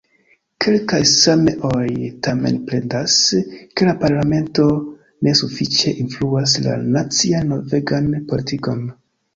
Kelkaj sameoj tamen plendas, ke la parlamento ne sufiĉe influas la nacian norvegan politikon.